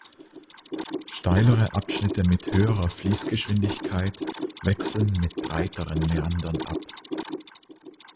Steilere Abschnitte mit höherer Fließgeschwindigkeit wechseln mit breiteren Mäandern ab.